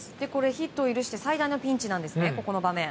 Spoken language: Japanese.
ヒットを許して最大のピンチなんですね。